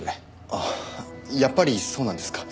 ああやっぱりそうなんですか。